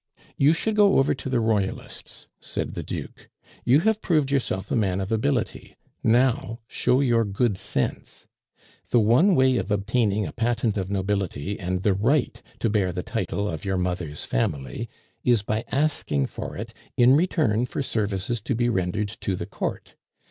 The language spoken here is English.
"You should go over to the Royalists," said the Duke. "You have proved yourself a man of ability; now show your good sense. The one way of obtaining a patent of nobility and the right to bear the title of your mother's family, is by asking for it in return for services to be rendered to the Court.